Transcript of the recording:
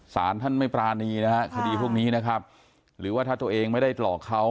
สารท่านไม่ปรานีนะฮะคดีพวกนี้นะครับหรือว่าถ้าตัวเองไม่ได้หลอกเขา